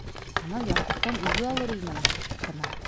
Анау Яҡуптан өлгө алыр инең саҡ ҡына!